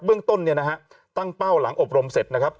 เรื่องต้นเนี่ยนะฮะตั้งเป้าหลังอบรมเสร็จนะครับ